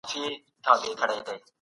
د مهارولو قانون روغتیا تضمینوي.